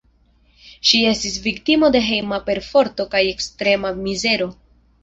Ŝi estis viktimo de hejma perforto kaj ekstrema mizero.